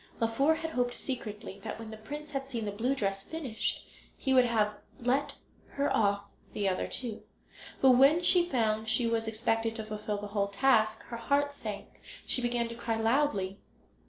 Laufer had hoped secretly that when the prince had seen the blue dress finished he would have let her off the other two; but when she found she was expected to fulfil the whole task, her heart sank and she began to cry loudly.